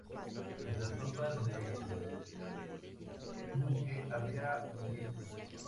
Entre las tropas del duque había moriscos.